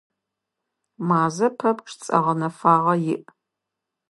Мазэ пэпчъ цӏэ гъэнэфагъэ иӏ.